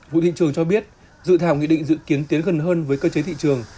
vụ thị trường cho biết dự thảo nghị định dự kiến tiến gần hơn với cơ chế thị trường